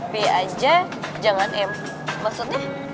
b aja jangan m maksudnya